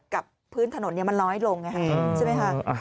กับพื้นถนนมันน้อยลงใช่ไหมคะ